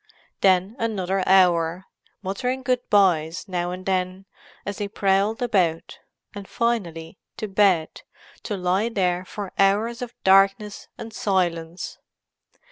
Then another hour—muttering good byes now and then, as they prowled about; and finally, to bed, to lie there for hours of darkness and silence.